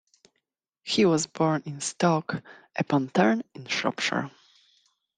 He was born in Stoke upon Tern in Shropshire.